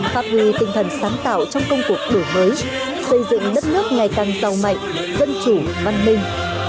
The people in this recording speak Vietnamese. phát huy tinh thần sáng tạo trong công cuộc đổi mới xây dựng đất nước ngày càng giàu mạnh dân chủ văn minh